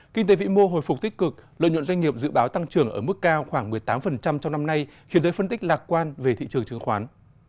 kinh tế vĩ mô hồi phục tích cực lợi nhuận doanh nghiệp dự báo tăng trưởng ở mức cao khoảng một mươi tám trong năm nay khiến giới phân tích lạc quan về thị trường chứng khoán